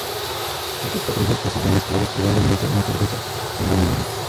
Estos patricios poseían esclavos, probablemente muchas veces en gran número.